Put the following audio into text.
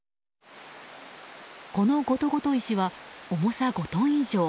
このゴトゴト石は重さ５トン以上。